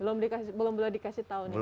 belum belum dikasih tahu nih